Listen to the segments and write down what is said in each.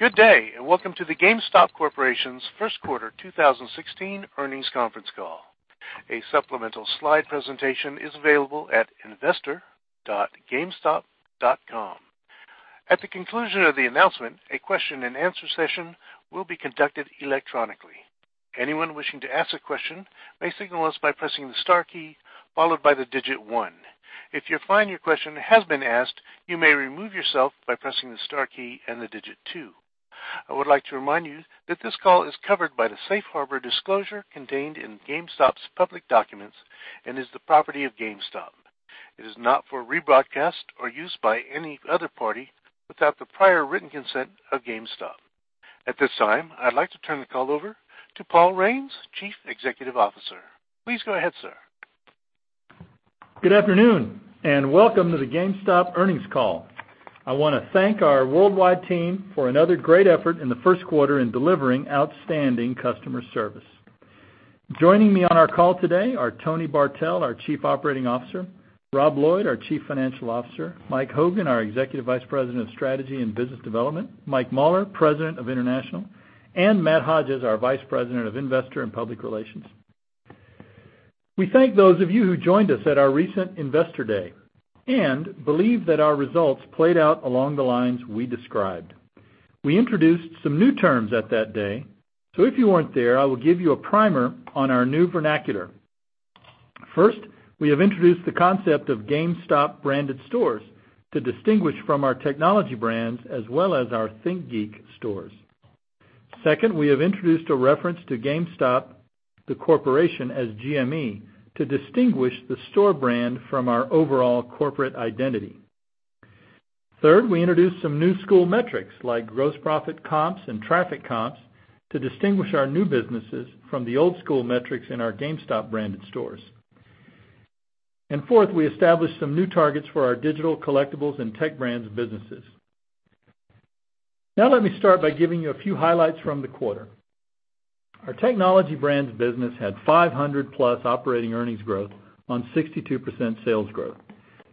Good day. Welcome to the GameStop Corp.'s first quarter 2016 earnings conference call. A supplemental slide presentation is available at investor.gamestop.com. At the conclusion of the announcement, a question and answer session will be conducted electronically. Anyone wishing to ask a question may signal us by pressing the star key followed by the digit 1. If you find your question has been asked, you may remove yourself by pressing the star key and the digit 2. I would like to remind you that this call is covered by the Safe Harbor disclosure contained in GameStop's public documents and is the property of GameStop. It is not for rebroadcast or use by any other party without the prior written consent of GameStop. At this time, I'd like to turn the call over to Paul Raines, Chief Executive Officer. Please go ahead, sir. Good afternoon. Welcome to the GameStop earnings call. I want to thank our worldwide team for another great effort in the first quarter in delivering outstanding customer service. Joining me on our call today are Tony Bartel, our Chief Operating Officer, Rob Lloyd, our Chief Financial Officer, Mike Hogan, our Executive Vice President of Strategy and Business Development, Mike Mauler, President of International, and Matt Hodges, our Vice President of Investor and Public Relations. We thank those of you who joined us at our recent Investor Day and believe that our results played out along the lines we described. We introduced some new terms at that day, so if you weren't there, I will give you a primer on our new vernacular. First, we have introduced the concept of GameStop branded stores to distinguish from our technology brands as well as our ThinkGeek stores. Second, we have introduced a reference to GameStop, the corporation, as GME to distinguish the store brand from our overall corporate identity. Third, we introduced some new school metrics like gross profit comps and traffic comps to distinguish our new businesses from the old school metrics in our GameStop branded stores. Fourth, we established some new targets for our digital collectibles and tech brands businesses. Now let me start by giving you a few highlights from the quarter. Our technology brands business had 500-plus operating earnings growth on 62% sales growth.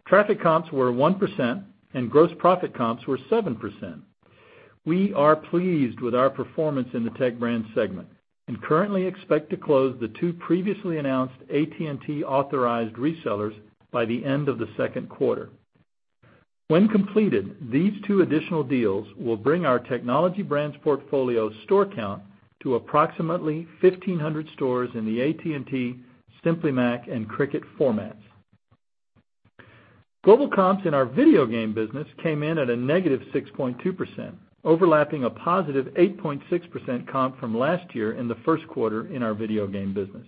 Traffic comps were 1% and gross profit comps were 7%. We are pleased with our performance in the tech brand segment and currently expect to close the two previously announced AT&T authorized resellers by the end of the second quarter. When completed, these two additional deals will bring our technology brands portfolio store count to approximately 1,500 stores in the AT&T, Simply Mac, and Cricket formats. Global comps in our video game business came in at a negative 6.2%, overlapping a positive 8.6% comp from last year in the first quarter in our video game business.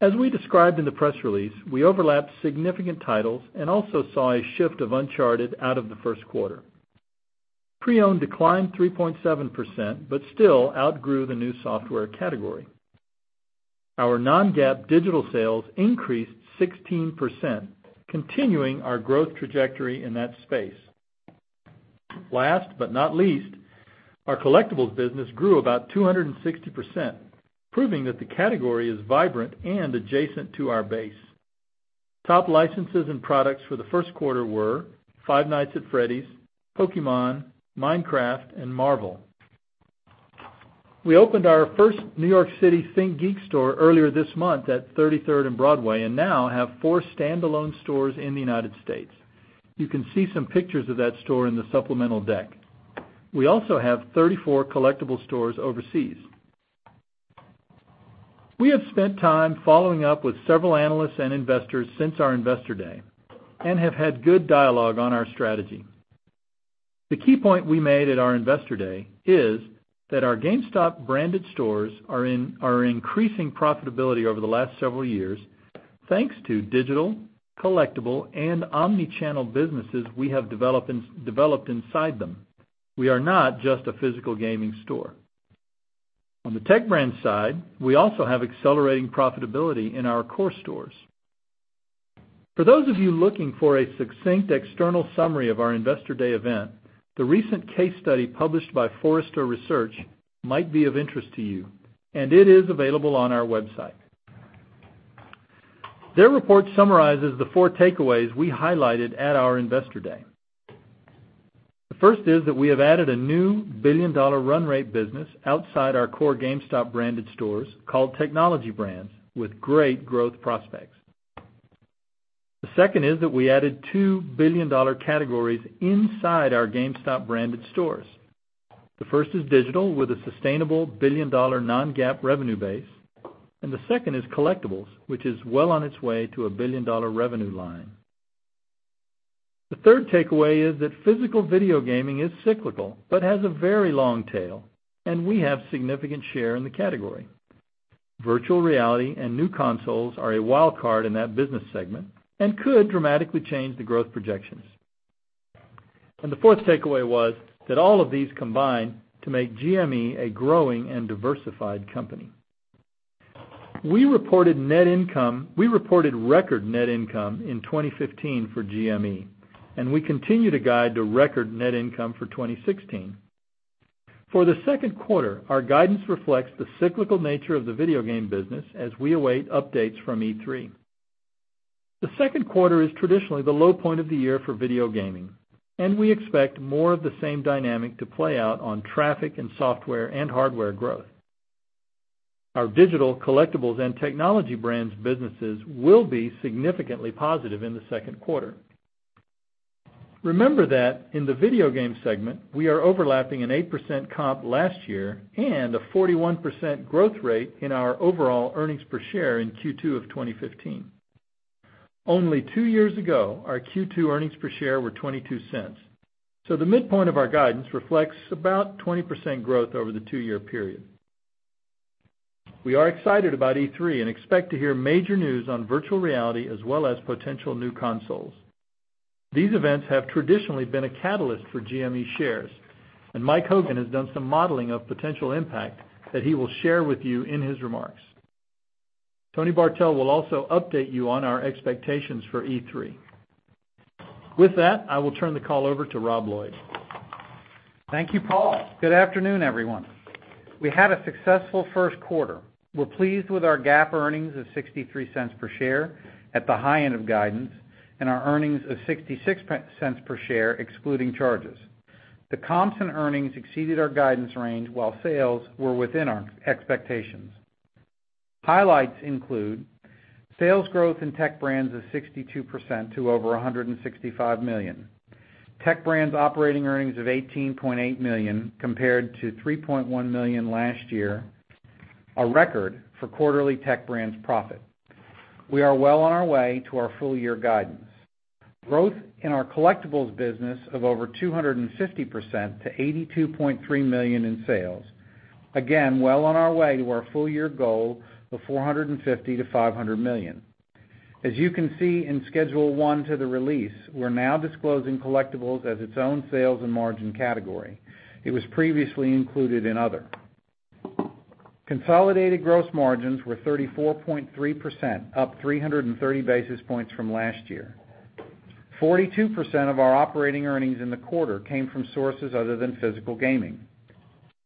As we described in the press release, we overlapped significant titles and also saw a shift of Uncharted out of the first quarter. Pre-owned declined 3.7%, but still outgrew the new software category. Our non-GAAP digital sales increased 16%, continuing our growth trajectory in that space. Last but not least, our collectibles business grew about 260%, proving that the category is vibrant and adjacent to our base. Top licenses and products for the first quarter were Five Nights at Freddy's, Pokemon, Minecraft, and Marvel. We opened our first New York City ThinkGeek store earlier this month at 33rd and Broadway and now have four standalone stores in the U.S. You can see some pictures of that store in the supplemental deck. We also have 34 collectible stores overseas. We have spent time following up with several analysts and investors since our Investor Day and have had good dialogue on our strategy. The key point we made at our Investor Day is that our GameStop branded stores are increasing profitability over the last several years, thanks to digital, collectible, and omni-channel businesses we have developed inside them. We are not just a physical gaming store. On the Technology Brands side, we also have accelerating profitability in our core stores. For those of you looking for a succinct external summary of our Investor Day event, the recent case study published by Forrester Research might be of interest to you, and it is available on our website. Their report summarizes the four takeaways we highlighted at our Investor Day. The first is that we have added a new billion-dollar run rate business outside our core GameStop branded stores called Technology Brands with great growth prospects. The second is that we added two billion-dollar categories inside our GameStop branded stores. The first is digital with a sustainable billion-dollar non-GAAP revenue base, and the second is collectibles, which is well on its way to a billion-dollar revenue line. The third takeaway is that physical video gaming is cyclical but has a very long tail, and we have significant share in the category. Virtual reality and new consoles are a wild card in that business segment and could dramatically change the growth projections. The fourth takeaway was that all of these combine to make GME a growing and diversified company. We reported record net income in 2015 for GME, and we continue to guide to record net income for 2016. For the second quarter, our guidance reflects the cyclical nature of the video game business as we await updates from E3. The second quarter is traditionally the low point of the year for video gaming, and we expect more of the same dynamic to play out on traffic and software and hardware growth. Our digital collectibles and Technology Brands businesses will be significantly positive in the second quarter. Remember that in the video game segment, we are overlapping an 8% comp last year and a 41% growth rate in our overall earnings per share in Q2 of 2015. Only two years ago, our Q2 earnings per share were $0.22. The midpoint of our guidance reflects about 20% growth over the two-year period. We are excited about E3 and expect to hear major news on Virtual reality as well as potential new consoles. These events have traditionally been a catalyst for GME shares, and Mike Hogan has done some modeling of potential impact that he will share with you in his remarks. Tony Bartel will also update you on our expectations for E3. With that, I will turn the call over to Rob Lloyd. Thank you, Paul. Good afternoon, everyone. We had a successful first quarter. We are pleased with our GAAP earnings of $0.63 per share at the high end of guidance and our earnings of $0.66 per share excluding charges. The comps and earnings exceeded our guidance range while sales were within our expectations. Highlights include sales growth in Tech Brands of 62% to over $165 million. Tech Brands operating earnings of $18.8 million compared to $3.1 million last year, a record for quarterly Tech Brands profit. We are well on our way to our full-year guidance. Growth in our collectibles business of over 250% to $82.3 million in sales. Again, well on our way to our full-year goal of $450 million-$500 million. As you can see in Schedule 1 to the release, we are now disclosing collectibles as its own sales and margin category. It was previously included in other. Consolidated gross margins were 34.3%, up 330 basis points from last year. 42% of our operating earnings in the quarter came from sources other than physical gaming.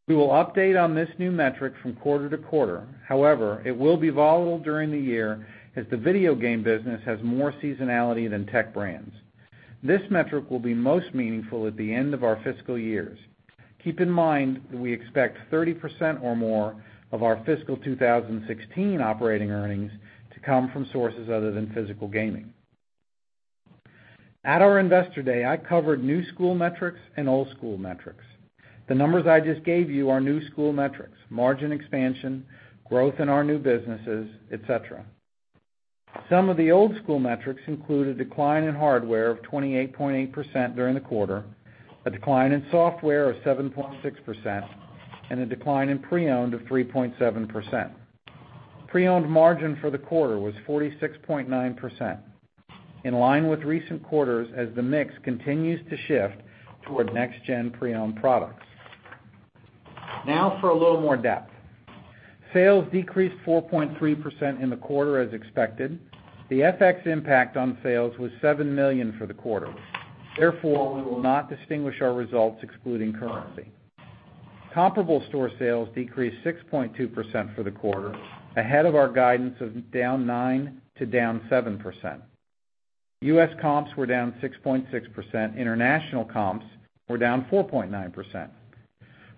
We will update on this new metric from quarter to quarter. However, it will be volatile during the year as the video game business has more seasonality than Tech Brands. This metric will be most meaningful at the end of our fiscal years. Keep in mind that we expect 30% or more of our fiscal 2016 operating earnings to come from sources other than physical gaming. At our Investor Day, I covered new school metrics and old school metrics. The numbers I just gave you are new school metrics, margin expansion, growth in our new businesses, et cetera. Some of the old school metrics include a decline in hardware of 28.8% during the quarter, a decline in software of 7.6%, and a decline in pre-owned of 3.7%. Pre-owned margin for the quarter was 46.9%, in line with recent quarters as the mix continues to shift toward next gen pre-owned products. Now for a little more depth. Sales decreased 4.3% in the quarter as expected. The FX impact on sales was $7 million for the quarter. Therefore, we will not distinguish our results excluding currency. Comparable store sales decreased 6.2% for the quarter, ahead of our guidance of down 9%-7%. U.S. comps were down 6.6%. International comps were down 4.9%.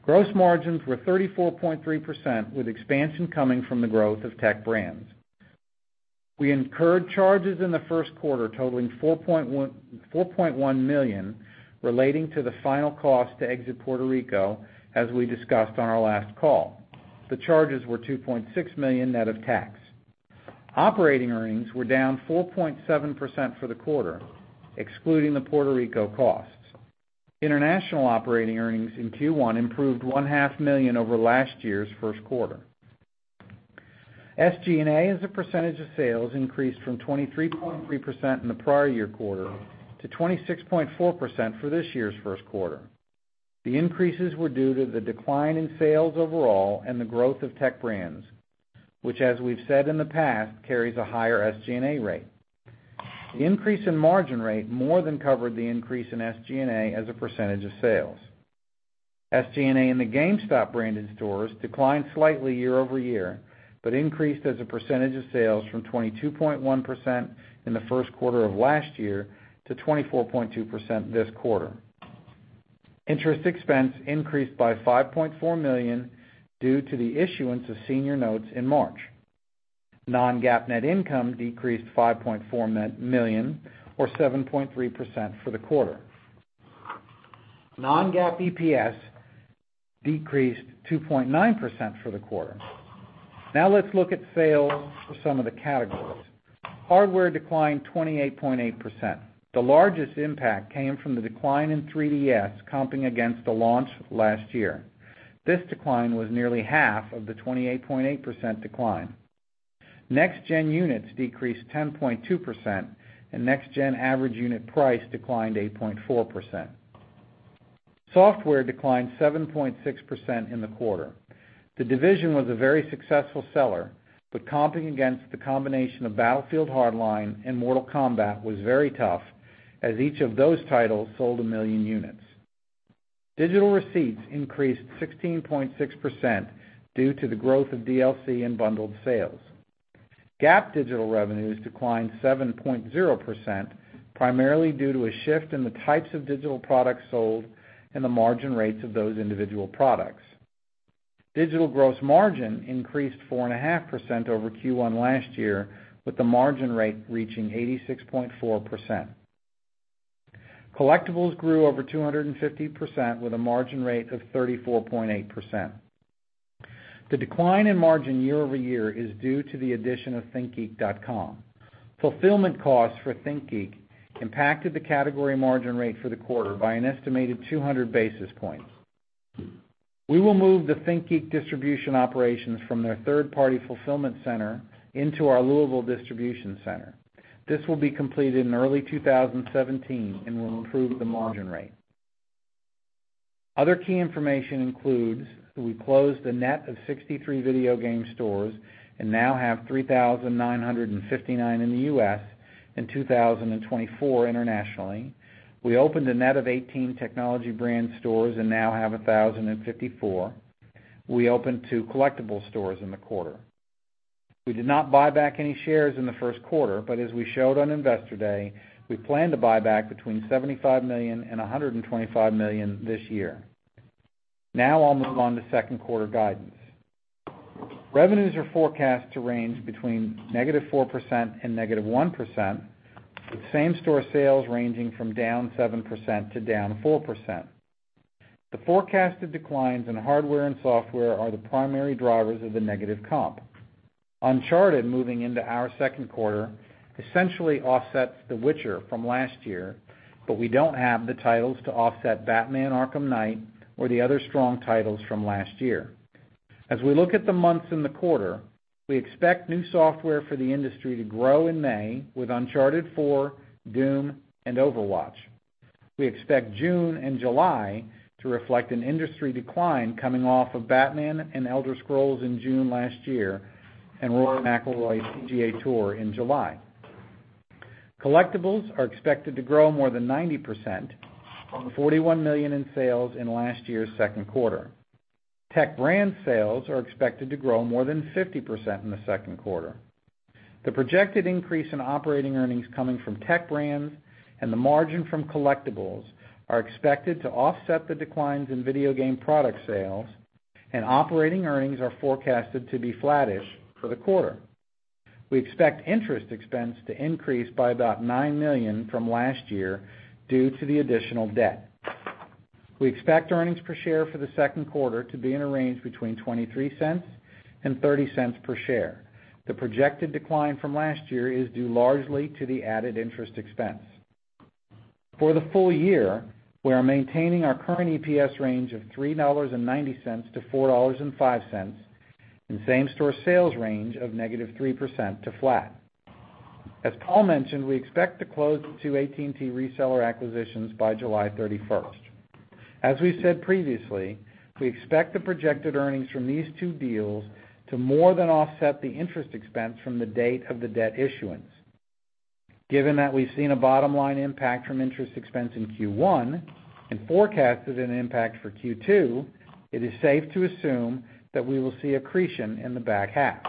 Gross margins were 34.3%, with expansion coming from the growth of Tech Brands. We incurred charges in the first quarter totaling $4.1 million relating to the final cost to exit Puerto Rico as we discussed on our last call. The charges were $2.6 million net of tax. Operating earnings were down 4.7% for the quarter, excluding the Puerto Rico costs. International operating earnings in Q1 improved one-half million over last year's first quarter. SG&A as a percentage of sales increased from 23.3% in the prior year quarter to 26.4% for this year's first quarter. The increases were due to the decline in sales overall and the growth of Tech Brands, which as we have said in the past, carries a higher SG&A rate. The increase in margin rate more than covered the increase in SG&A as a percentage of sales. SG&A in the GameStop branded stores declined slightly year-over-year, increased as a percentage of sales from 22.1% in the first quarter of last year to 24.2% this quarter. Interest expense increased by $5.4 million due to the issuance of senior notes in March. Non-GAAP net income decreased $5.4 million or 7.3% for the quarter. Non-GAAP EPS decreased 2.9% for the quarter. Let's look at sales for some of the categories. Hardware declined 28.8%. The largest impact came from the decline in 3DS comping against the launch last year. This decline was nearly half of the 28.8% decline. Next-gen units decreased 10.2% and next-gen average unit price declined 8.4%. Software declined 7.6% in the quarter. The Division was a very successful seller, but comping against the combination of Battlefield Hardline and Mortal Kombat was very tough as each of those titles sold a million units. Digital receipts increased 16.6% due to the growth of DLC and bundled sales. GAAP digital revenues declined 7.0%, primarily due to a shift in the types of digital products sold and the margin rates of those individual products. Digital gross margin increased 4.5% over Q1 last year, with the margin rate reaching 86.4%. Collectibles grew over 250% with a margin rate of 34.8%. The decline in margin year-over-year is due to the addition of thinkgeek.com. Fulfillment costs for ThinkGeek impacted the category margin rate for the quarter by an estimated 200 basis points. We will move the ThinkGeek distribution operations from their third-party fulfillment center into our Louisville distribution center. This will be completed in early 2017 and will improve the margin rate. Other key information includes that we closed a net of 63 video game stores and now have 3,959 in the U.S. and 2,024 internationally. We opened a net of 18 technology brand stores and now have 1,054. We opened two Collectibles stores in the quarter. We did not buy back any shares in the first quarter, as we showed on Investor Day, we plan to buy back between $75 million and $125 million this year. I'll move on to second quarter guidance. Revenues are forecast to range between -4% and -1%, with same-store sales ranging from down 7% to down 4%. The forecasted declines in hardware and software are the primary drivers of the negative comp. Uncharted moving into our second quarter essentially offsets The Witcher from last year, we don't have the titles to offset Batman: Arkham Knight or the other strong titles from last year. We look at the months in the quarter, we expect new software for the industry to grow in May with Uncharted 4, Doom, and Overwatch. We expect June and July to reflect an industry decline coming off of Batman and Elder Scrolls in June last year and Rory McIlroy PGA Tour in July. Collectibles are expected to grow more than 90% from $41 million in sales in last year's second quarter. Tech brand sales are expected to grow more than 50% in the second quarter. The projected increase in operating earnings coming from tech brands and the margin from Collectibles are expected to offset the declines in video game product sales, operating earnings are forecasted to be flattish for the quarter. We expect interest expense to increase by about $9 million from last year due to the additional debt. We expect earnings per share for the second quarter to be in a range between $0.23 and $0.30 per share. The projected decline from last year is due largely to the added interest expense. For the full year, we are maintaining our current EPS range of $3.90 to $4.05 and same-store sales range of negative 3% to flat. As Paul mentioned, we expect to close the two AT&T reseller acquisitions by July 31st. As we said previously, we expect the projected earnings from these two deals to more than offset the interest expense from the date of the debt issuance. Given that we've seen a bottom-line impact from interest expense in Q1 and forecasted an impact for Q2, it is safe to assume that we will see accretion in the back half.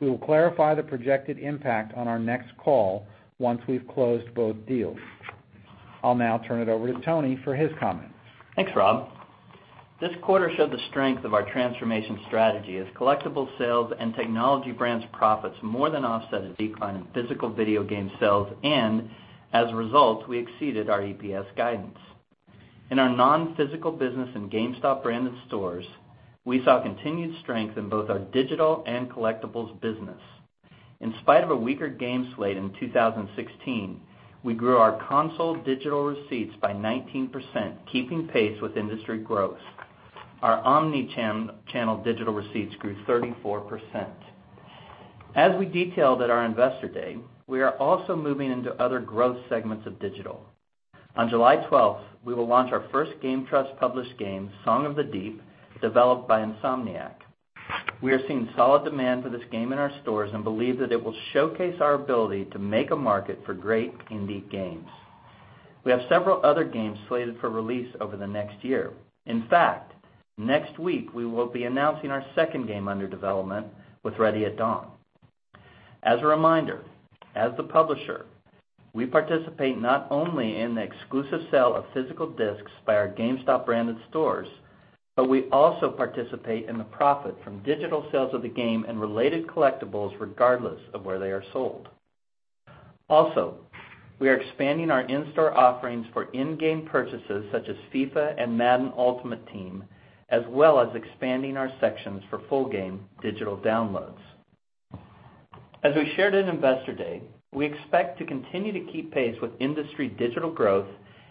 We will clarify the projected impact on our next call once we've closed both deals. I'll now turn it over to Tony for his comments. Thanks, Rob. This quarter showed the strength of our transformation strategy as Collectibles sales and technology brands profits more than offset a decline in physical video game sales and, as a result, we exceeded our EPS guidance. In our non-physical business and GameStop branded stores, we saw continued strength in both our digital and Collectibles business. In spite of a weaker game slate in 2016, we grew our console digital receipts by 19%, keeping pace with industry growth. Our omni-channel digital receipts grew 34%. As we detailed at our Investor Day, we are also moving into other growth segments of digital. On July 12th, we will launch our first GameTrust published game, "Song of the Deep", developed by Insomniac. We are seeing solid demand for this game in our stores and believe that it will showcase our ability to make a market for great indie games. We have several other games slated for release over the next year. In fact, next week, we will be announcing our second game under development with Ready at Dawn. As a reminder, as the publisher, we participate not only in the exclusive sale of physical discs by our GameStop branded stores, but we also participate in the profit from digital sales of the game and related collectibles regardless of where they are sold. We are expanding our in-store offerings for in-game purchases such as "FIFA" and "Madden Ultimate Team," as well as expanding our sections for full game digital downloads. As we shared at Investor Day, we expect to continue to keep pace with industry digital growth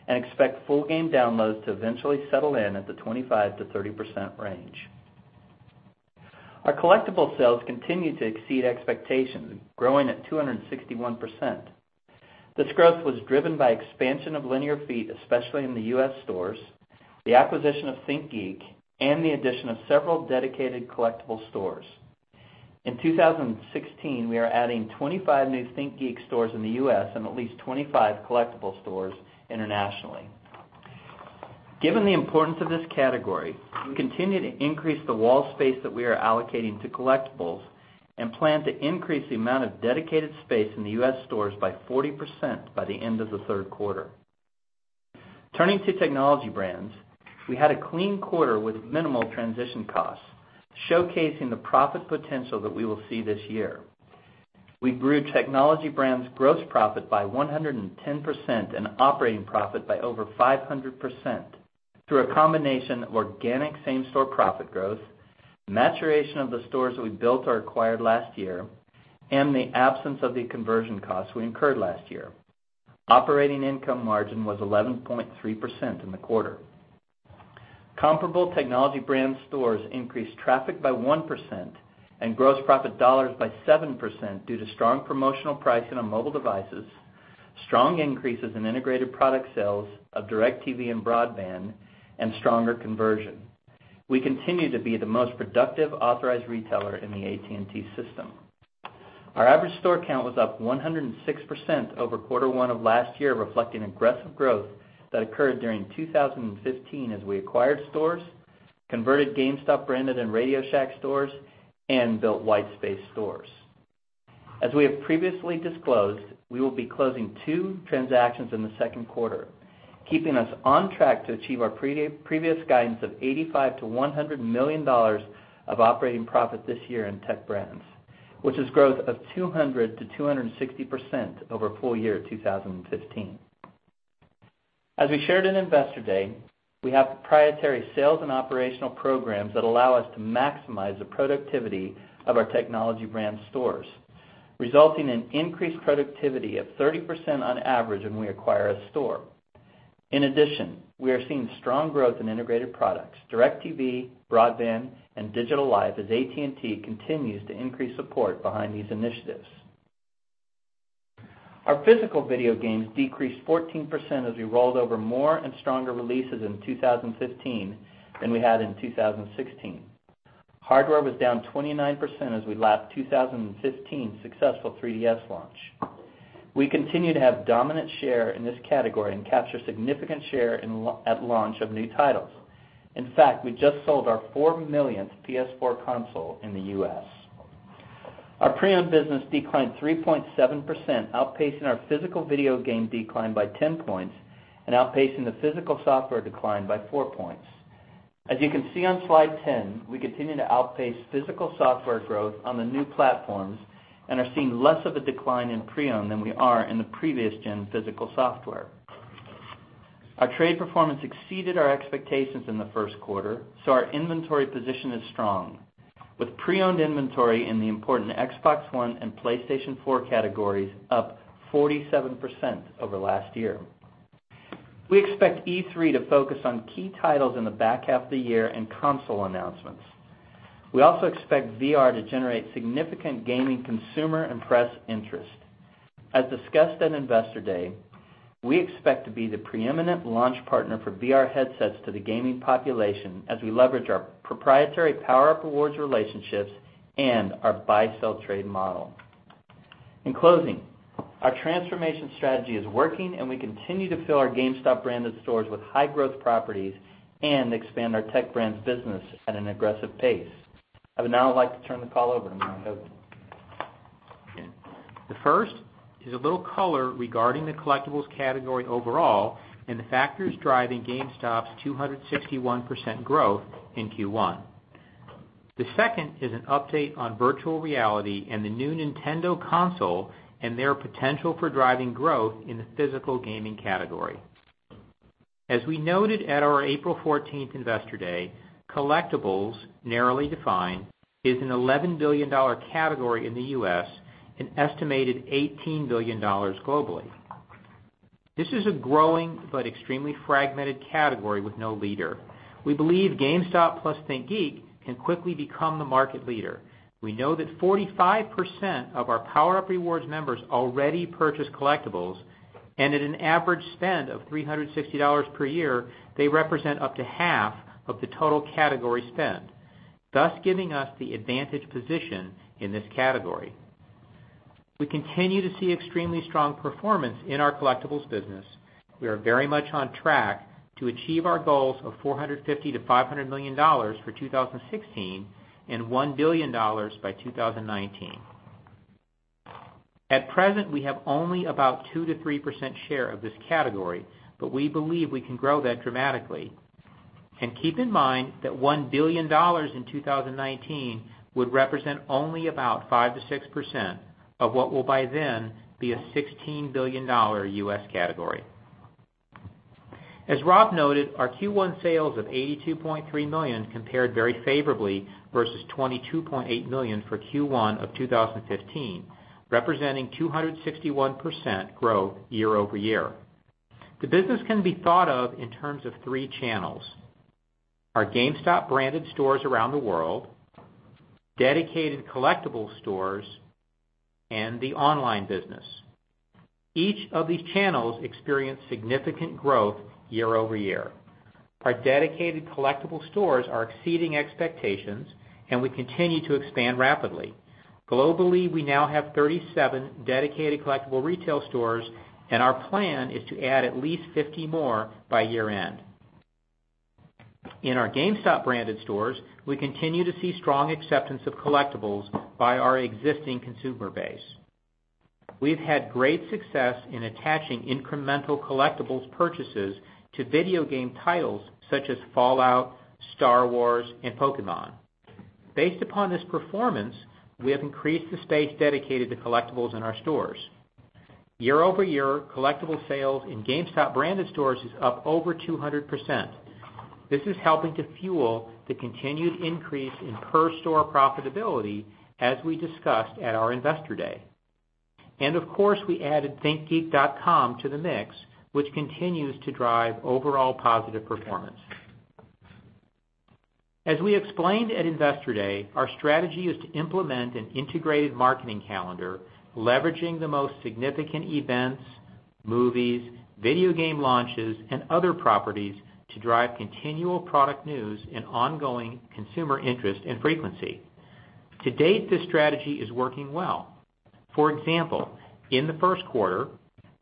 and expect full game downloads to eventually settle in at the 25%-30% range. Our Collectibles sales continued to exceed expectations, growing at 261%. This growth was driven by expansion of linear feet, especially in the U.S. stores, the acquisition of ThinkGeek, and the addition of several dedicated Collectibles stores. In 2016, we are adding 25 new ThinkGeek stores in the U.S. and at least 25 Collectibles stores internationally. Given the importance of this category, we continue to increase the wall space that we are allocating to Collectibles and plan to increase the amount of dedicated space in the U.S. stores by 40% by the end of the third quarter. Turning to Technology Brands, we had a clean quarter with minimal transition costs, showcasing the profit potential that we will see this year. We grew Technology Brands gross profit by 110% and operating profit by over 500% through a combination of organic same-store profit growth, maturation of the stores that we built or acquired last year, and the absence of the conversion costs we incurred last year. Operating income margin was 11.3% in the quarter. Comparable Technology Brand stores increased traffic by 1% and gross profit dollars by 7% due to strong promotional pricing on mobile devices, strong increases in integrated product sales of DIRECTV and broadband, and stronger conversion. We continue to be the most productive authorized retailer in the AT&T system. Our average store count was up 106% over quarter one of last year, reflecting aggressive growth that occurred during 2015 as we acquired stores, converted GameStop branded and RadioShack stores, and built white space stores. As we have previously disclosed, we will be closing two transactions in the second quarter, keeping us on track to achieve our previous guidance of $85 million-$100 million of operating profit this year in Tech Brands, which is growth of 200%-260% over full year 2015. As we shared in Investor Day, we have proprietary sales and operational programs that allow us to maximize the productivity of our Technology Brand stores, resulting in increased productivity of 30% on average when we acquire a store. In addition, we are seeing strong growth in integrated products, DIRECTV, broadband, and Digital Life, as AT&T continues to increase support behind these initiatives. Our physical video games decreased 14% as we rolled over more and stronger releases in 2015 than we had in 2016. Hardware was down 29% as we lapped 2015's successful 3DS launch. We continue to have dominant share in this category and capture significant share at launch of new titles. In fact, we just sold our four millionth PS4 console in the U.S. Our pre-owned business declined 3.7%, outpacing our physical video game decline by 10 points and outpacing the physical software decline by four points. As you can see on slide 10, we continue to outpace physical software growth on the new platforms and are seeing less of a decline in pre-owned than we are in the previous-gen physical software. Our trade performance exceeded our expectations in the first quarter, so our inventory position is strong, with pre-owned inventory in the important Xbox One and PlayStation 4 categories up 47% over last year. We expect E3 to focus on key titles in the back half of the year and console announcements. We also expect VR to generate significant gaming consumer and press interest. As discussed at Investor Day, we expect to be the preeminent launch partner for VR headsets to the gaming population as we leverage our proprietary PowerUp Rewards relationships and our buy-sell trade model. In closing, our transformation strategy is working, and we continue to fill our GameStop branded stores with high-growth properties and expand our Tech Brands business at an aggressive pace. I would now like to turn the call over to Mike Hogan. The first is a little color regarding the Collectibles category overall and the factors driving GameStop's 261% growth in Q1. The second is an update on virtual reality and the new Nintendo console and their potential for driving growth in the physical gaming category. As we noted at our April 14th Investor Day, Collectibles, narrowly defined, is an $11 billion category in the U.S., an estimated $18 billion globally. This is a growing but extremely fragmented category with no leader. We believe GameStop plus ThinkGeek can quickly become the market leader. We know that 45% of our PowerUp Rewards members already purchase Collectibles, and at an average spend of $360 per year, they represent up to half of the total category spend, thus giving us the advantage position in this category. We continue to see extremely strong performance in our Collectibles business. We are very much on track to achieve our goals of $450 to $500 million for 2016 and $1 billion by 2019. At present, we have only about 2%-3% share of this category, but we believe we can grow that dramatically. Keep in mind that $1 billion in 2019 would represent only about 5%-6% of what will by then be a $16 billion U.S. category. As Rob noted, our Q1 sales of $82.3 million compared very favorably versus $22.8 million for Q1 of 2015, representing 261% growth year-over-year. The business can be thought of in terms of three channels: our GameStop branded stores around the world, dedicated Collectibles stores, and the online business. Each of these channels experienced significant growth year-over-year. Our dedicated Collectibles stores are exceeding expectations, and we continue to expand rapidly. Globally, we now have 37 dedicated Collectibles retail stores, and our plan is to add at least 50 more by year-end. In our GameStop-branded stores, we continue to see strong acceptance of Collectibles by our existing consumer base. We've had great success in attaching incremental Collectibles purchases to video game titles such as Fallout, Star Wars, and Pokemon. Based upon this performance, we have increased the space dedicated to Collectibles in our stores. Year-over-year, Collectibles sales in GameStop-branded stores is up over 200%. This is helping to fuel the continued increase in per store profitability, as we discussed at our Investor Day. Of course, we added thinkgeek.com to the mix, which continues to drive overall positive performance. As we explained at Investor Day, our strategy is to implement an integrated marketing calendar leveraging the most significant events, movies, video game launches, and other properties to drive continual product news and ongoing consumer interest and frequency. To date, this strategy is working well. For example, in the first quarter,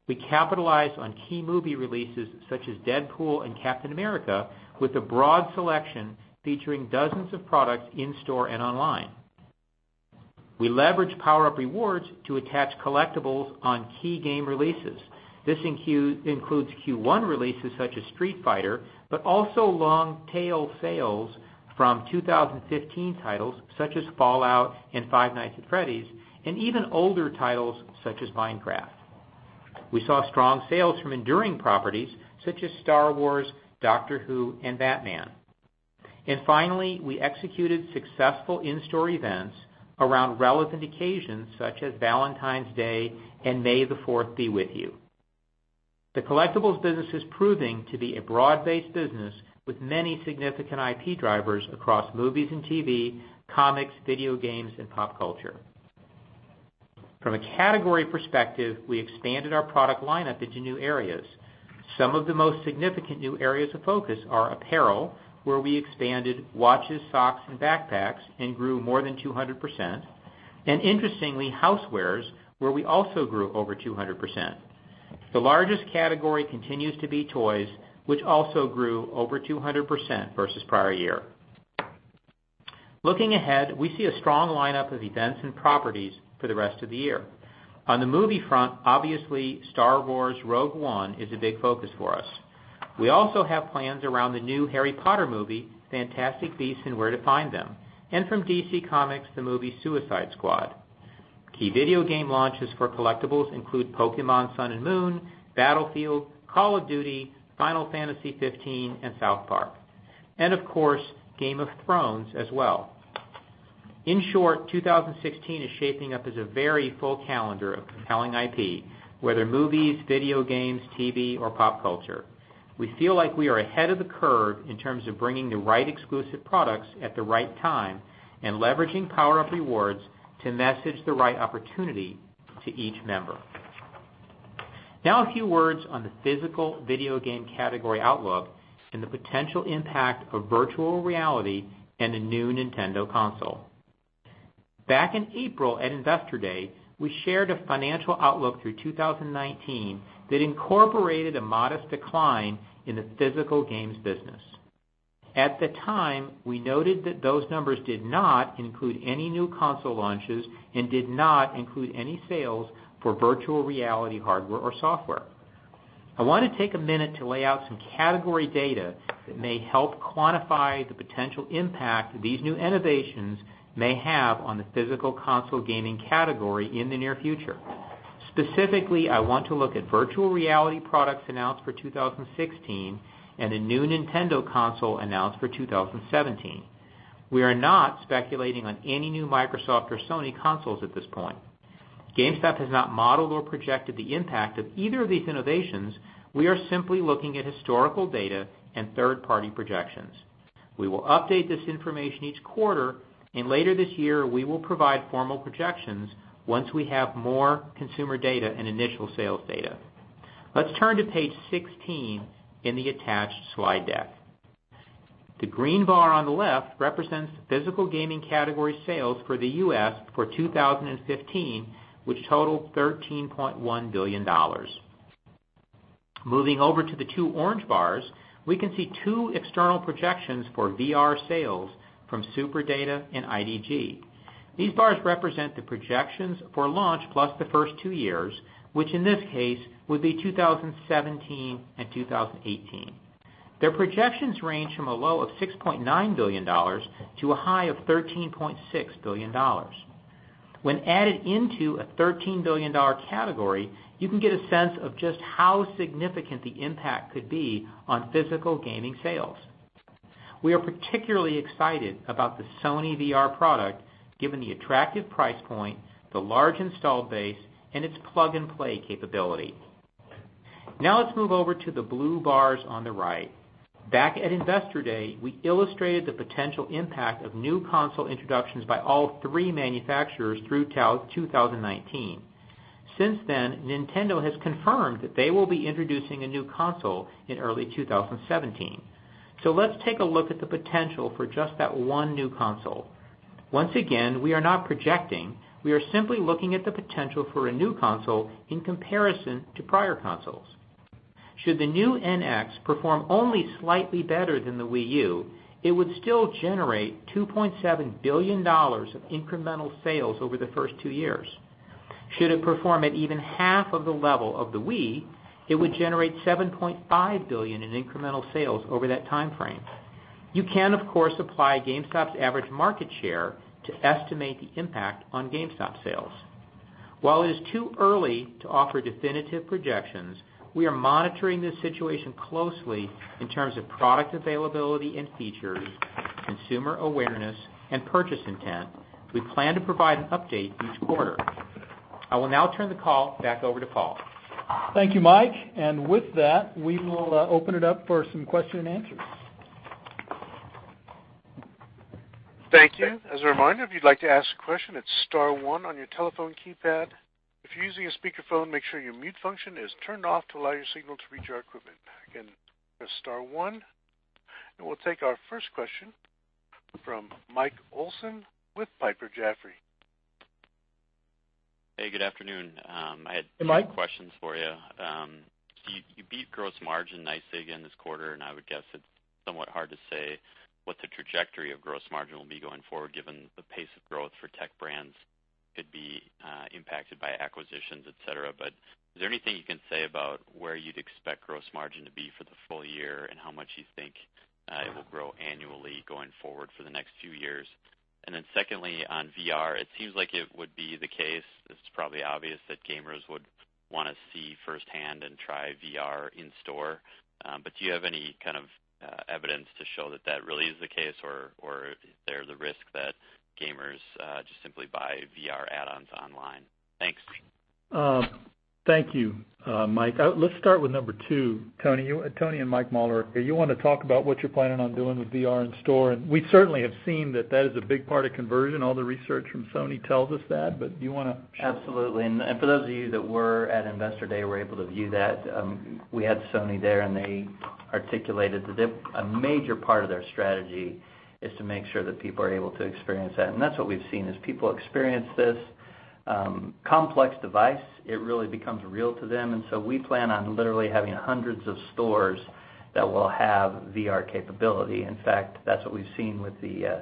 we capitalized on key movie releases such as Deadpool and Captain America with a broad selection featuring dozens of products in-store and online. We leveraged PowerUp Rewards to attach collectibles on key game releases. This includes Q1 releases such as Street Fighter, but also long-tail sales from 2015 titles such as Fallout and Five Nights at Freddy's, and even older titles such as Minecraft. We saw strong sales from enduring properties such as Star Wars, Doctor Who, and Batman. Finally, we executed successful in-store events around relevant occasions such as Valentine's Day and May the Fourth Be With You. The collectibles business is proving to be a broad-based business with many significant IP drivers across movies and TV, comics, video games, and pop culture. From a category perspective, we expanded our product lineup into new areas. Some of the most significant new areas of focus are apparel, where we expanded watches, socks, and backpacks and grew more than 200%, and interestingly, housewares, where we also grew over 200%. The largest category continues to be toys, which also grew over 200% versus the prior year. Looking ahead, we see a strong lineup of events and properties for the rest of the year. On the movie front, obviously, Star Wars: Rogue One is a big focus for us. We also have plans around the new Harry Potter movie, Fantastic Beasts and Where to Find Them, and from DC Comics, the movie Suicide Squad. Key video game launches for collectibles include Pokémon Sun and Moon, Battlefield, Call of Duty, Final Fantasy XV, and South Park. Of course, Game of Thrones as well. In short, 2016 is shaping up as a very full calendar of compelling IP, whether movies, video games, TV, or pop culture. We feel like we are ahead of the curve in terms of bringing the right exclusive products at the right time and leveraging PowerUp Rewards to message the right opportunity to each member. Now a few words on the physical video game category outlook and the potential impact of virtual reality and a new Nintendo console. Back in April at Investor Day, we shared a financial outlook through 2019 that incorporated a modest decline in the physical games business. At the time, we noted that those numbers did not include any new console launches and did not include any sales for virtual reality hardware or software. I want to take a minute to lay out some category data that may help quantify the potential impact these new innovations may have on the physical console gaming category in the near future. Specifically, I want to look at virtual reality products announced for 2016 and a new Nintendo console announced for 2017. We are not speculating on any new Microsoft or Sony consoles at this point. GameStop has not modeled or projected the impact of either of these innovations. We are simply looking at historical data and third-party projections. We will update this information each quarter. Later this year, we will provide formal projections once we have more consumer data and initial sales data. Let's turn to page 16 in the attached slide deck. The green bar on the left represents physical gaming category sales for the U.S. for 2015, which totaled $13.1 billion. Moving over to the two orange bars, we can see two external projections for VR sales from SuperData and IDC. These bars represent the projections for launch plus the first two years, which in this case would be 2017 and 2018. Their projections range from a low of $6.9 billion to a high of $13.6 billion. When added into a $13 billion category, you can get a sense of just how significant the impact could be on physical gaming sales. We are particularly excited about the Sony VR product, given the attractive price point, the large install base, and its plug-and-play capability. Let's move over to the blue bars on the right. Back at Investor Day, we illustrated the potential impact of new console introductions by all three manufacturers through 2019. Since then, Nintendo has confirmed that they will be introducing a new console in early 2017. Let's take a look at the potential for just that one new console. Once again, we are not projecting, we are simply looking at the potential for a new console in comparison to prior consoles. Should the new NX perform only slightly better than the Wii U, it would still generate $2.7 billion of incremental sales over the first two years. Should it perform at even half of the level of the Wii, it would generate $7.5 billion in incremental sales over that timeframe. You can, of course, apply GameStop's average market share to estimate the impact on GameStop sales. While it is too early to offer definitive projections, we are monitoring this situation closely in terms of product availability and features, consumer awareness, and purchase intent. We plan to provide an update each quarter. I will now turn the call back over to Paul. Thank you, Mike. With that, we will open it up for some question and answers. Thank you. As a reminder, if you'd like to ask a question, it's star one on your telephone keypad. If you're using a speakerphone, make sure your mute function is turned off to allow your signal to reach our equipment. Again, press star one. We'll take our first question from Mike Olson with Piper Jaffray. Hey, good afternoon. Hey, Mike. I had two questions for you. You beat gross margin nicely again this quarter. I would guess it's somewhat hard to say what the trajectory of gross margin will be going forward, given the pace of growth for tech brands could be impacted by acquisitions, et cetera. Is there anything you can say about where you'd expect gross margin to be for the full year, and how much you think it will grow annually going forward for the next few years? Secondly, on VR, it seems like it would be the case, it's probably obvious that gamers would want to see firsthand and try VR in store. Do you have any kind of evidence to show that that really is the case, or is there the risk that gamers just simply buy VR add-ons online? Thanks. Thank you, Mike. Let's start with number two. Tony and Mike Mauler, you want to talk about what you're planning on doing with VR in store? We certainly have seen that that is a big part of conversion. All the research from Sony tells us that. Do you want to share? Absolutely. For those of you that were at Investor Day, were able to view that, we had Sony there, and they articulated that a major part of their strategy is to make sure that people are able to experience that. That's what we've seen, as people experience this complex device, it really becomes real to them. We plan on literally having hundreds of stores that will have VR capability. In fact, that's what we've seen with the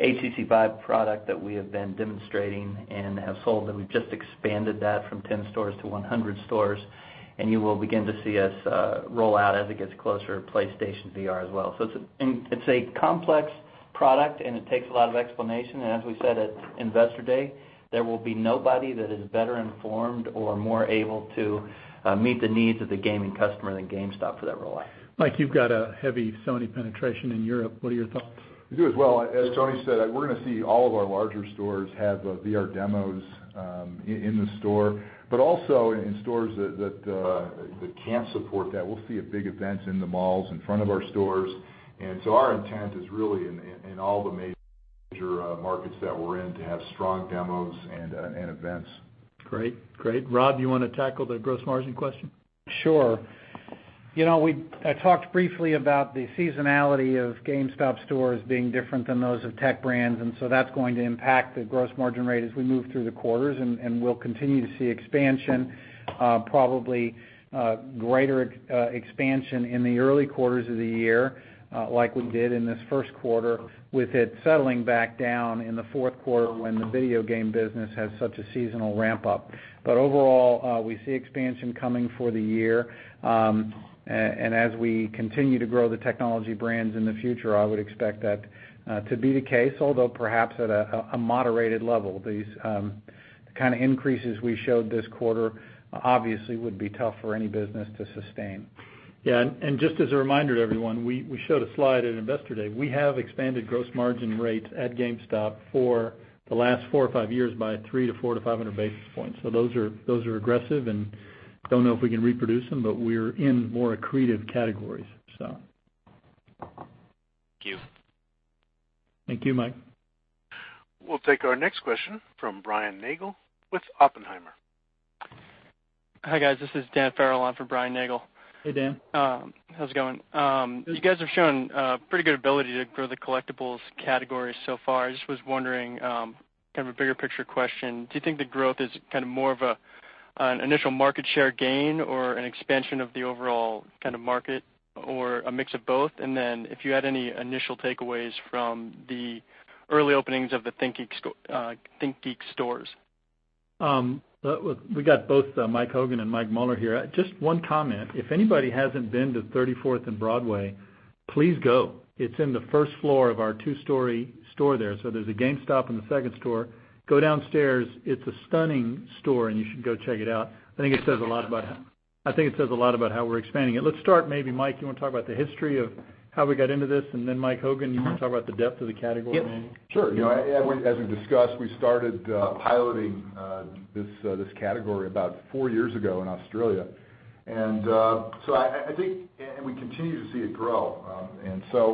HTC Vive product that we have been demonstrating and have sold, and we've just expanded that from 10 stores to 100 stores, and you will begin to see us roll out as it gets closer to PlayStation VR as well. It's a complex product, and it takes a lot of explanation, and as we said at Investor Day, there will be nobody that is better informed or more able to meet the needs of the gaming customer than GameStop for that rollout. Mike, you've got a heavy Sony penetration in Europe. What are your thoughts? We do as well. As Tony said, we're going to see all of our larger stores have VR demos in the store, but also in stores that can't support that, we'll see big events in the malls in front of our stores. Our intent is really in all the major markets that we're in to have strong demos and events. Great. Rob, you want to tackle the gross margin question? Sure. I talked briefly about the seasonality of GameStop stores being different than those of tech brands, and so that's going to impact the gross margin rate as we move through the quarters, and we'll continue to see expansion, probably greater expansion in the early quarters of the year, like we did in this first quarter, with it settling back down in the fourth quarter when the video game business has such a seasonal ramp-up. Overall, we see expansion coming for the year. As we continue to grow the technology brands in the future, I would expect that to be the case, although perhaps at a moderated level. These kind of increases we showed this quarter obviously would be tough for any business to sustain. Yeah, just as a reminder to everyone, we showed a slide at Investor Day. We have expanded gross margin rates at GameStop for the last four or five years by 300 to 400 to 500 basis points. Those are aggressive, and don't know if we can reproduce them, but we're in more accretive categories, so. Thank you. Thank you, Mike. We'll take our next question from Brian Nagel with Oppenheimer. Hi, guys. This is Dan Farrell in for Brian Nagel. Hey, Dan. How's it going? You guys have shown a pretty good ability to grow the collectibles category so far. I just was wondering, kind of a bigger picture question, do you think the growth is more of an initial market share gain or an expansion of the overall market, or a mix of both? Then if you had any initial takeaways from the early openings of the ThinkGeek stores. We got both Michael Hogan and Mike Mauler here. Just one comment. If anybody hasn't been to 34th and Broadway, please go. It's in the first floor of our two-story store there. There's a GameStop in the second store. Go downstairs. It's a stunning store, and you should go check it out. I think it says a lot about how we're expanding it. Let's start, maybe, Mike, you want to talk about the history of how we got into this, and then Michael Hogan, you want to talk about the depth of the category? Sure. As we discussed, we started piloting this category about four years ago in Australia. We continue to see it grow.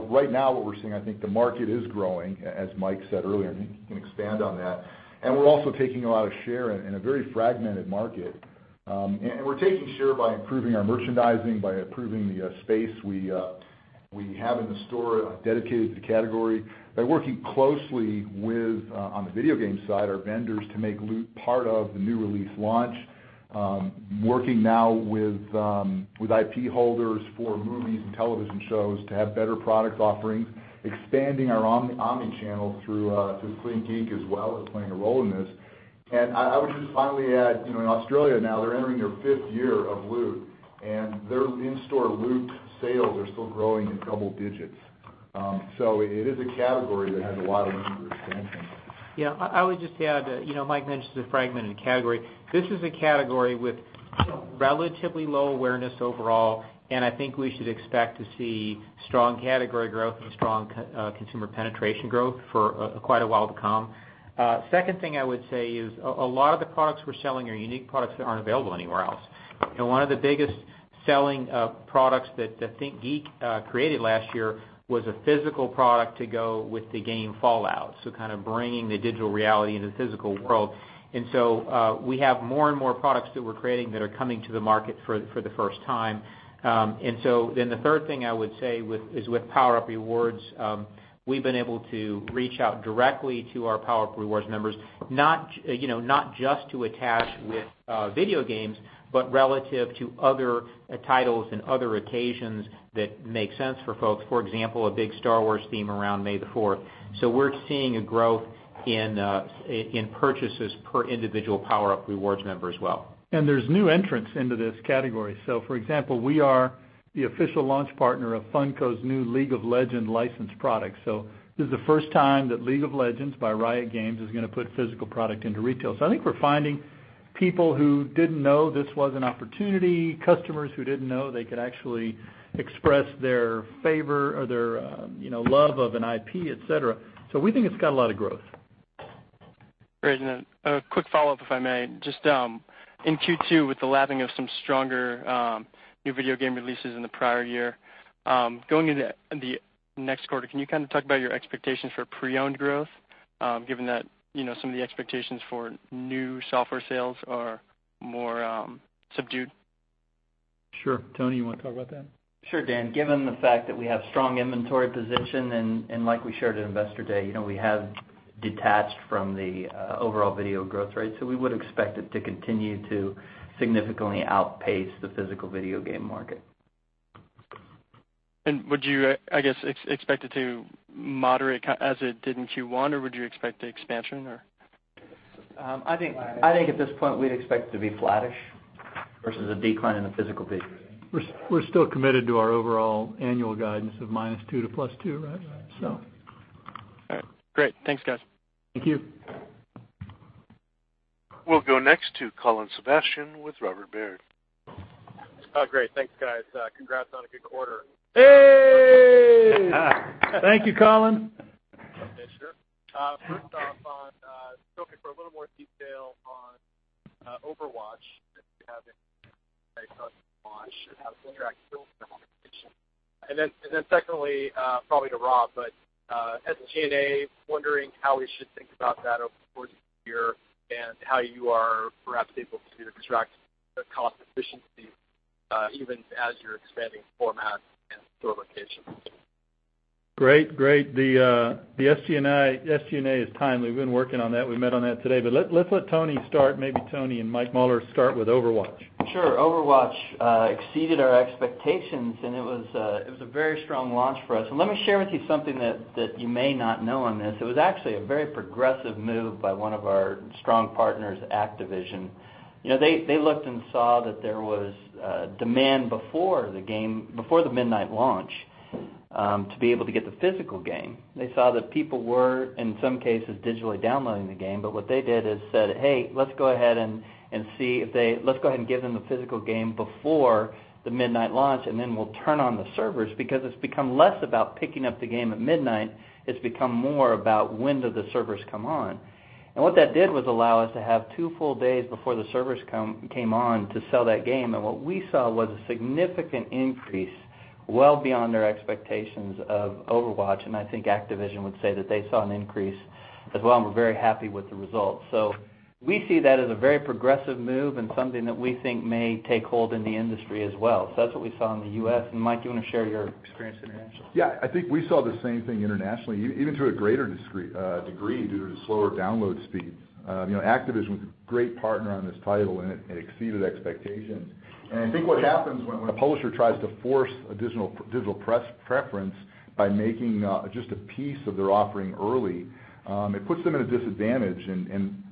Right now what we're seeing, I think the market is growing, as Mike said earlier, and he can expand on that. We're also taking a lot of share in a very fragmented market. We're taking share by improving our merchandising, by improving the space we have in the store dedicated to the category, by working closely with, on the video game side, our vendors to make Loot part of the new release launch, working now with IP holders for movies and television shows to have better product offerings, expanding our omni-channel through ThinkGeek as well is playing a role in this. I would just finally add, in Australia now, they're entering their fifth year of Loot, and their in-store Loot sales are still growing in double digits. It is a category that has a lot of room for expansion. I would just add, Mike mentioned it's a fragmented category. This is a category with relatively low awareness overall, I think we should expect to see strong category growth and strong consumer penetration growth for quite a while to come. Second thing I would say is a lot of the products we're selling are unique products that aren't available anywhere else. One of the biggest selling products that ThinkGeek created last year was a physical product to go with the game Fallout, kind of bringing the digital reality into the physical world. We have more and more products that we're creating that are coming to the market for the first time. The third thing I would say is with PowerUp Rewards, we've been able to reach out directly to our PowerUp Rewards members, not just to attach with video games, but relative to other titles and other occasions that make sense for folks. For example, a big Star Wars theme around May the 4th. We're seeing a growth in purchases per individual PowerUp Rewards member as well. There's new entrants into this category. For example, we are the official launch partner of Funko's new League of Legends licensed product. This is the first time that League of Legends by Riot Games is going to put physical product into retail. I think we're finding people who didn't know this was an opportunity, customers who didn't know they could actually express their favor or their love of an IP, et cetera. We think it's got a lot of growth. A quick follow-up, if I may. Just in Q2, with the lapping of some stronger new video game releases in the prior year, going into the next quarter, can you talk about your expectations for pre-owned growth, given that some of the expectations for new software sales are more subdued? Sure. Tony, you want to talk about that? Sure, Dan. Given the fact that we have strong inventory position, like we shared at Investor Day, we would expect it to continue to significantly outpace the physical video game market. Would you, I guess, expect it to moderate as it did in Q1, or would you expect expansion? I think at this point, we'd expect it to be flattish versus a decline in the physical business. We're still committed to our overall annual guidance of -2% to +2%, right? Right. So. All right. Great. Thanks, guys. Thank you. We'll go next to Colin Sebastian with Robert W. Baird. Oh, great. Thanks, guys. Congrats on a good quarter. Hey. Thank you, Colin. Sure. First off, hoping for a little more detail on Overwatch [inaudible] and how it interacted. Secondly, probably to Rob, but SG&A, wondering how we should think about that over the course of the year and how you are perhaps able to either extract the cost efficiency even as you're expanding format and store locations. Great. The SG&A is timely. We've been working on that. We met on that today. Let's let Tony start, maybe Tony and Mike Mauler start with Overwatch. Sure. Overwatch exceeded our expectations, it was a very strong launch for us. Let me share with you something that you may not know on this. It was actually a very progressive move by one of our strong partners, Activision. They looked and saw that there was demand before the midnight launch to be able to get the physical game. They saw that people were, in some cases, digitally downloading the game. What they did is said, "Hey, let's go ahead and give them the physical game before the midnight launch, and then we'll turn on the servers," because it's become less about picking up the game at midnight. It's become more about when do the servers come on. What that did was allow us to have two full days before the servers came on to sell that game. What we saw was a significant increase well beyond our expectations of Overwatch, and I think Activision would say that they saw an increase as well and were very happy with the results. We see that as a very progressive move and something that we think may take hold in the industry as well. That's what we saw in the U.S., and Mike, do you want to share your experience internationally? Yeah. I think we saw the same thing internationally, even to a greater degree due to the slower download speeds. Activision was a great partner on this title, it exceeded expectations. I think what happens when a publisher tries to force a digital preference by making just a piece of their offering early, it puts them at a disadvantage,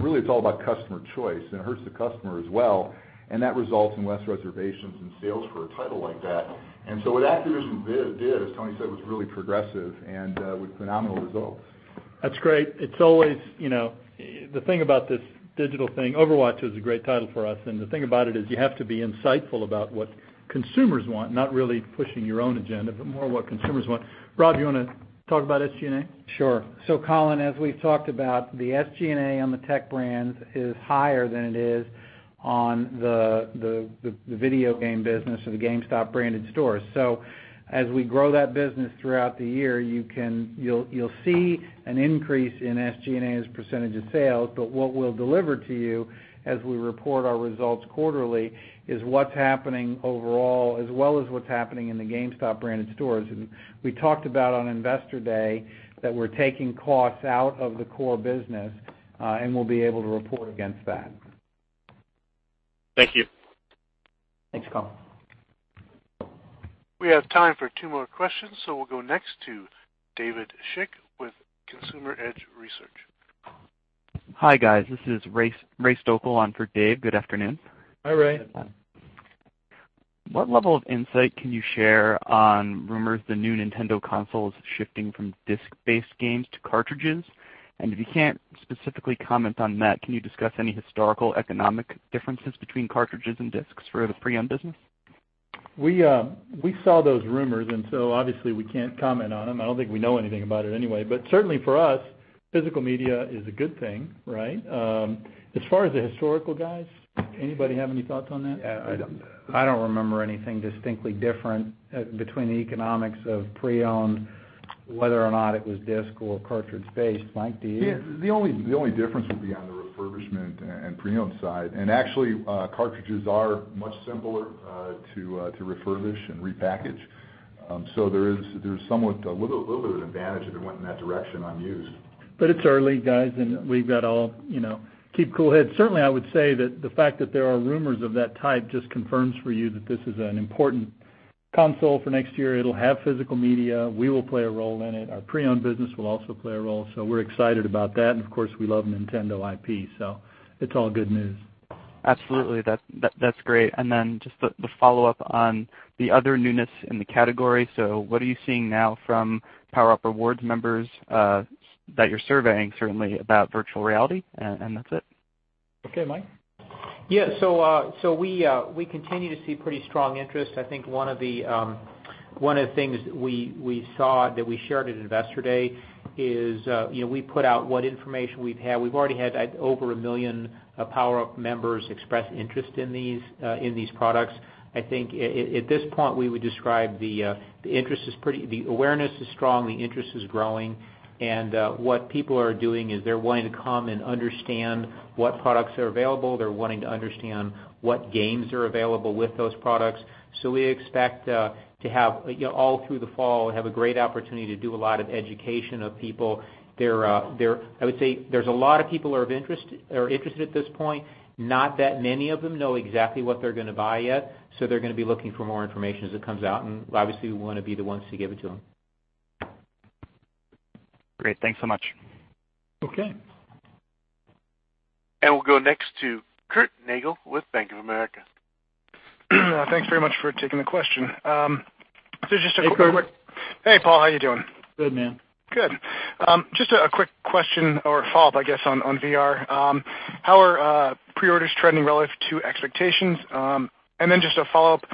really it's all about customer choice, it hurts the customer as well, that results in less reservations and sales for a title like that. What Activision did, as Tony said, was really progressive and with phenomenal results. That's great. The thing about this digital thing, Overwatch is a great title for us, and the thing about it is, you have to be insightful about what consumers want, not really pushing your own agenda, but more what consumers want. Rob, you want to talk about SG&A? Sure. Colin, as we've talked about, the SG&A on the tech brands is higher than it is on the video game business or the GameStop-branded stores. As we grow that business throughout the year, you'll see an increase in SG&A as a percentage of sales. What we'll deliver to you, as we report our results quarterly, is what's happening overall, as well as what's happening in the GameStop-branded stores. We talked about on Investor Day that we're taking costs out of the core business, and we'll be able to report against that. Thank you. Thanks, Colin. We have time for two more questions, so we'll go next to David Schick with Consumer Edge Research. Hi, guys. This is Ray Stochel on for Dave. Good afternoon. Hi, Ray. What level of insight can you share on rumors the new Nintendo console is shifting from disc-based games to cartridges? If you can't specifically comment on that, can you discuss any historical economic differences between cartridges and discs for the pre-owned business? Obviously we can't comment on them. I don't think we know anything about it anyway. Certainly for us, physical media is a good thing, right? As far as the historical guys, anybody have any thoughts on that? I don't remember anything distinctly different between the economics of pre-owned, whether or not it was disc or cartridge-based. Mike, do you? The only difference would be on the refurbishment and pre-owned side. Actually, cartridges are much simpler to refurbish and repackage. There's a little bit of an advantage if it went in that direction on used. It's early, guys, we've got keep cool heads. Certainly, I would say that the fact that there are rumors of that type just confirms for you that this is an important console for next year. It'll have physical media. We will play a role in it. Our pre-owned business will also play a role. We're excited about that. Of course, we love Nintendo IP, it's all good news. Absolutely. That's great. Then just the follow-up on the other newness in the category. What are you seeing now from PowerUp Rewards members that you're surveying, certainly about virtual reality? That's it. Okay, Mike. Yeah. We continue to see pretty strong interest. I think one of the things we saw that we shared at Investor Day is, we put out what information we've had. We've already had over 1 million PowerUp members express interest in these products. I think, at this point, we would describe the awareness is strong, the interest is growing. What people are doing is they're wanting to come and understand what products are available. They're wanting to understand what games are available with those products. We expect to, all through the fall, have a great opportunity to do a lot of education of people. I would say there's a lot of people are interested at this point. Not that many of them know exactly what they're going to buy yet, so they're going to be looking for more information as it comes out. Obviously, we want to be the ones to give it to them. Great. Thanks so much. Okay. We'll go next to Curt Nagle with Bank of America. Thanks very much for taking the question. Hey, Curt. Hey, Paul. How you doing? Good, man. Good. Just a quick question or follow-up, I guess, on VR. How are pre-orders trending relative to expectations? Just a follow-up,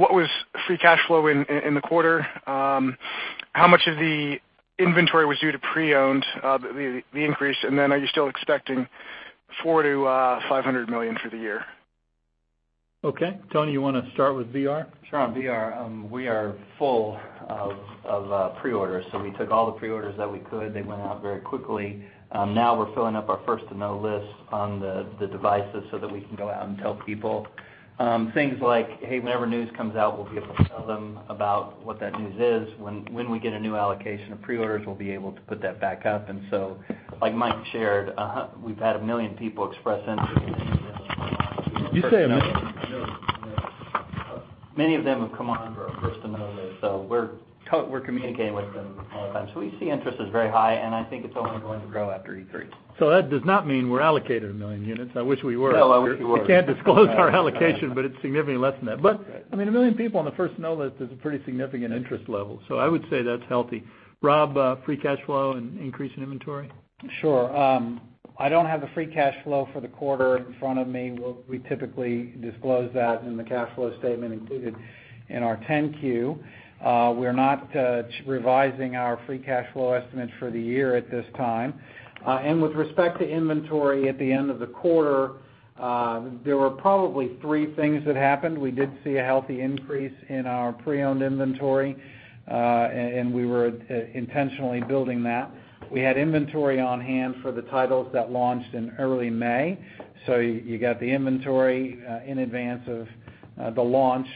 what was free cash flow in the quarter? How much of the inventory was due to pre-owned, the increase, are you still expecting $400 million-$500 million for the year? Okay. Tony, you want to start with VR? Sure. On VR, we are full of pre-orders. We took all the pre-orders that we could. They went out very quickly. Now we're filling up our first-to-know list on the devices so that we can go out and tell people things like, hey, whenever news comes out, we'll be able to tell them about what that news is. When we get a new allocation of pre-orders, we'll be able to put that back up. Like Mike shared, we've had 1 million people express interest. You say 1 million? Many of them have come on to our first-to-know list. We're communicating with them all the time. We see interest is very high, and I think it's only going to grow after E3. That does not mean we're allocated 1 million units. I wish we were. No, I wish we were. We can't disclose our allocation, but it's significantly less than that. A 1 million people on the first-to-know list is a pretty significant interest level. I would say that's healthy. Rob, free cash flow and increase in inventory? Sure. I don't have the free cash flow for the quarter in front of me. We typically disclose that in the cash flow statement included in our 10-Q. We're not revising our free cash flow estimate for the year at this time. With respect to inventory at the end of the quarter, there were probably three things that happened. We did see a healthy increase in our pre-owned inventory, and we were intentionally building that. We had inventory on hand for the titles that launched in early May, so you got the inventory in advance of the launch,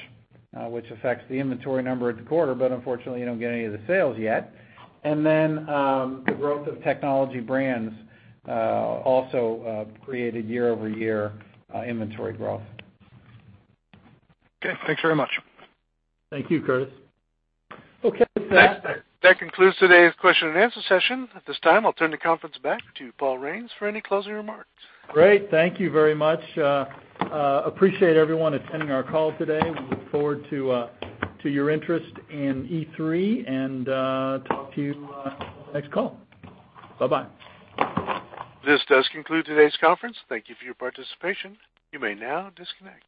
which affects the inventory number at the quarter, but unfortunately, you don't get any of the sales yet. The growth of technology brands also created year-over-year inventory growth. Okay, thanks very much. Thank you, Curtis. Okay, that concludes today's question and answer session. At this time, I'll turn the conference back to Paul Raines for any closing remarks. Great. Thank you very much. Appreciate everyone attending our call today. We look forward to your interest in E3 and talk to you next call. Bye-bye. This does conclude today's conference. Thank you for your participation. You may now disconnect.